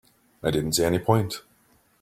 I didn't see any point.